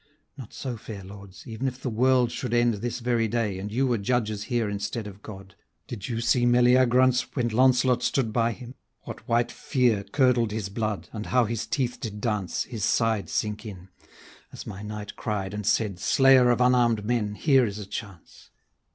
Not so, fair lords, even if the world should end This very day, and you were judges here Instead of God. Did you see Mellyagraunce When Launcelot stood by him? what white fear Curdled his blood, and how his teeth did dance, His side sink in? as my knight cried and said: Slayer of unarm'd men, here is a chance!